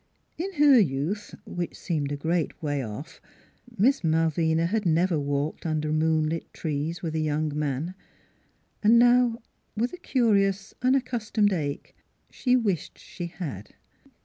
In her youth which seemed a great way off Miss Malvina had never walked under moonlit trees with a young man. Now, with a curious, unaccustomed ache, she wished she had.